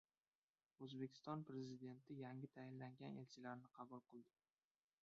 O‘zbekiston Prezidenti yangi tayinlangan elchilarni qabul qildi